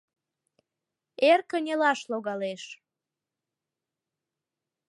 Эр кынелаш логалеш.